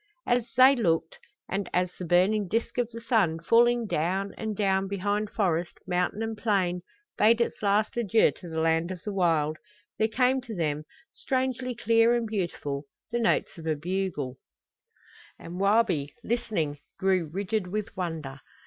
And as they looked and as the burning disk of the sun, falling down and down behind forest, mountain and plain, bade its last adieu to the land of the wild, there came to them, strangely clear and beautiful, the notes of a bugle. And Wabi, listening, grew rigid with wonder.